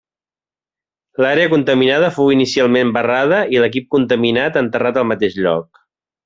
L'àrea contaminada fou inicialment barrada i l'equip contaminat enterrat al mateix lloc.